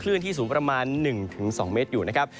ที่สูงประมาณ๑๒เมตรอยู่นะครับ